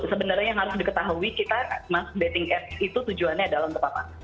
sebenarnya yang harus diketahui kita betting app itu tujuannya adalah untuk apa